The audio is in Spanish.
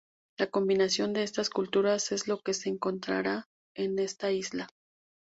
La combinación de estas culturas es lo que se encontrará en esta isla.